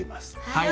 はい。